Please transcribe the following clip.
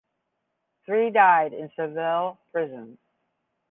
Three died in Seville prisons.